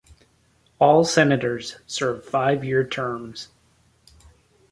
All senators serve five-year terms.